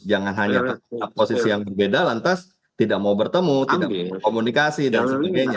jangan hanya posisi yang berbeda lantas tidak mau bertemu tidak komunikasi dan sebagainya